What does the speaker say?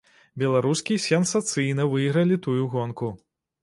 Беларускі сенсацыйна выйгралі тую гонку.